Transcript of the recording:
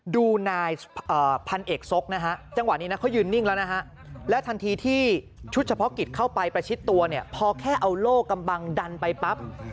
ดูนายพันเอกซกนะฮะจังหวะนี้นะเขายืนนิ่งแล้วนะฮะแล้วทันทีที่ชุดเฉพาะกิจเข้าไปประชิดตัวเนี่ยพอแค่เอาโล่กำบังดันไปปั๊บ